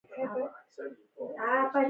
د ننګرهار کانالونه مشهور دي.